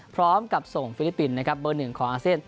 พร้อมกับส่งฟิลิปปินส์นะครับเบอร์หนึ่งของอาเซียน